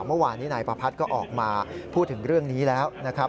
เมื่อวานนี้นายประพัทธ์ก็ออกมาพูดถึงเรื่องนี้แล้วนะครับ